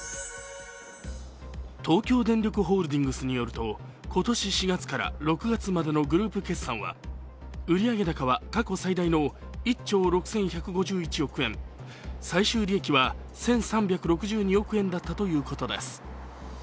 東京電力ホールディングスによると、今年４月から６月までのグループ決算は売上高は過去最大の１兆６１５１億円、最終利益は１３６２億円だったということです。